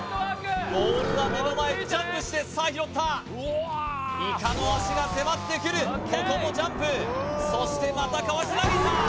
ボールは目の前ジャンプしてさあ拾ったイカの足が迫ってくるここもジャンプそしてまたかわし投げた！